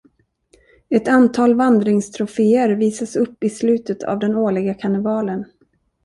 Ett antal vandringstroféer visas upp i slutet av den årliga karnevalen.